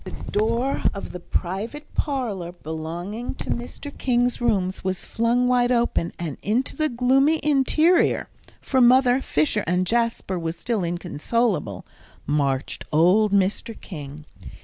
The door of the private parlour belonging to Mr. King's rooms was flung wide open, and into the gloomy interior, for Mother Fisher and Jasper were still inconsolable, marched old Mr. King.